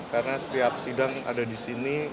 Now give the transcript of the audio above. karena setiap sidang ada di sini